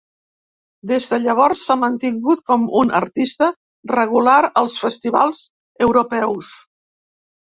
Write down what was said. Des de llavors s'ha mantingut com un artista regular als festivals europeus.